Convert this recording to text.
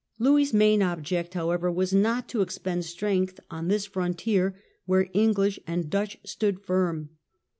Louis' main object, however, was not to expend strength on this fron tier where English and Dutch stood firm.